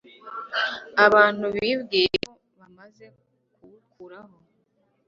Abantu bibwiye ko bamaze kuwukuraho,